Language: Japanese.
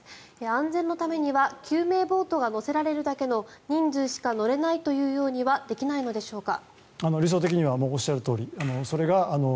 安全のためには救命ボートが載せられるだけの人数しか乗れないというようにはできないのでしょうか。